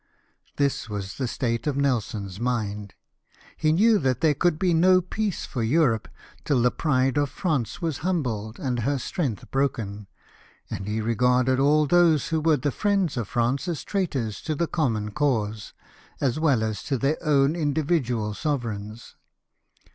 This Avas the state of Nelson's mind : he knew that there could be no peace for Europe till the pride of France Avas humbled and her strength broken, and he regarded all those Avho Avere the friends of France as traitoi's to the common cause, as Avell as to their oAvn individual sovereigns.